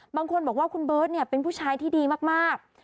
บางคนบอกว่าคุณเบิร์ตเป็นผู้ชายที่ดีมาก